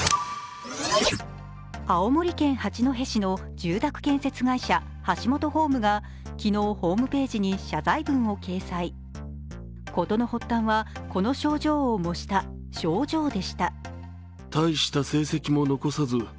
青森県八戸市の住宅建設会社、ハシモトホームが昨日、ホームページに謝罪文を掲載事の発端は、この賞状を模した「症状」でした。